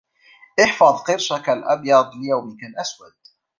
احفظ قرشك الأبيض ليومك الأسود